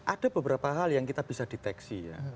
ada beberapa hal yang kita bisa deteksi ya